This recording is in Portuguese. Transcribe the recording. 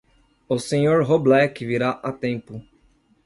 O Sr. Roblek virá a tempo.